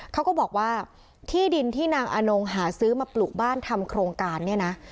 เขาก็บอกว่าที่ดินที่นางอนงหาซื้อมาปลูกบ้านทำโครงการเนี่ยนะ